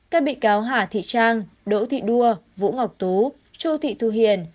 các bị cáo hà thị trang đỗ thị đua vũ ngọc tú chu thị thu hiền